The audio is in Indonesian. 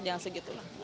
jangan segitu lah